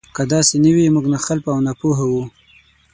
که داسې نه وي موږ ناخلفه او ناپوهه وو.